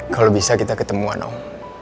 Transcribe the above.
kalau bisa kita ketemuan om